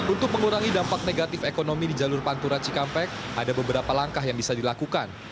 untuk mengurangi dampak negatif ekonomi di jalur pantura cikampek ada beberapa langkah yang bisa dilakukan